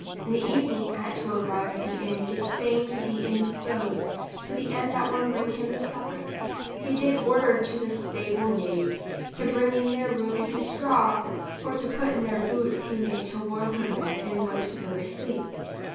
In the even ing at to arrive at the inn did feign to be in dispose, to the end that one bring him the sup per. He did ordered to the stable knave to bring in their room some straw, for to put in their boots he made to warm her bed and was go lo sleep.